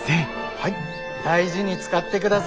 はい！